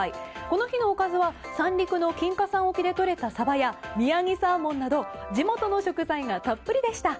この日のおかずは三陸の金華山沖でとれたサバやみやぎサーモンなど地元の食材がたっぷりでした。